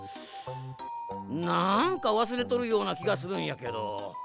なんかわすれとるようなきがするんやけど。